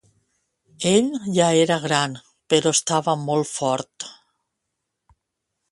Ell ja era gran, però estava molt fort.